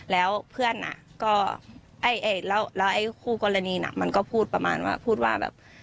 แล้วเพื่อนอะก็แล้วคู่กรณีมันก็พูดประมาณว่า